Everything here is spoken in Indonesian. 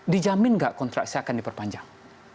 dijamin nggak kontrak saya akan diperpanjang